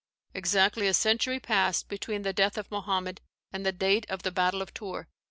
Exactly a century passed between the death of Mohammed and the date of the battle of Tours.